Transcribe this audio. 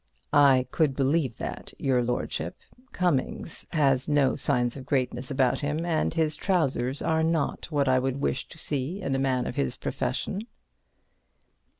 (I could believe that, your lordship. Cummings has no signs of greatness about him, and his trousers are not what I would wish to see in a man of his profession.)